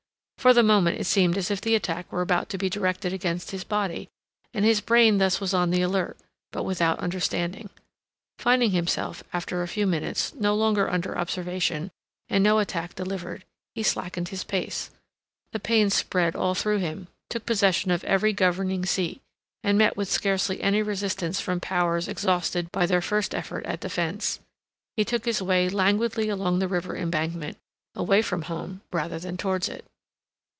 For the moment it seemed as if the attack were about to be directed against his body, and his brain thus was on the alert, but without understanding. Finding himself, after a few minutes, no longer under observation, and no attack delivered, he slackened his pace, the pain spread all through him, took possession of every governing seat, and met with scarcely any resistance from powers exhausted by their first effort at defence. He took his way languidly along the river embankment, away from home rather than towards it.